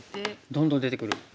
どんどん出てくる。